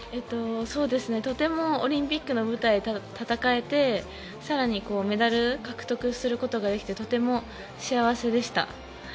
とてもオリンピックの舞台で戦えて更にメダル獲得することができてとても幸せでした。